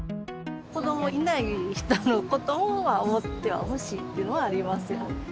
子どもがいない人のことも思ってはほしいっていうのはありますよ。